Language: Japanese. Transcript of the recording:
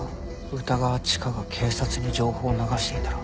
歌川チカが警察に情報を流していたら。